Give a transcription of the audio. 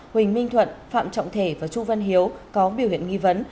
huỳnh minh thuận phạm trọng thể và chu văn hiếu có biểu hiện nghi vấn